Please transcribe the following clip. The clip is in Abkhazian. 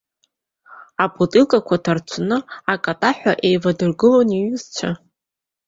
Абаҭликақәа ҭарцәны акатаҳәа еивадыргылон аиҩызцәа.